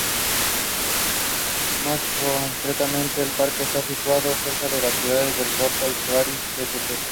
Más concretamente el parque está situado cerca las ciudades de Portland Parish, St.